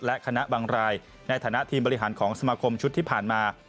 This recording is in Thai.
และคณะบางรายในฐานะทีมบริหารของสมาคมชุดที่ผ่านมา